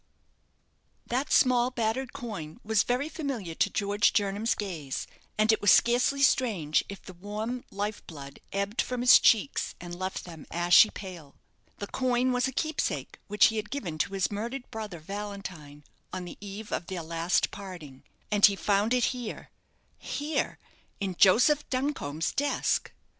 That small battered coin was very familiar to George Jernam's gaze, and it was scarcely strange if the warm life blood ebbed from his cheeks, and left them ashy pale. The coin was a keepsake which he had given to his murdered brother, Valentine, on the eve of their last parting. And he found it here here, in Joseph Duncombe's desk!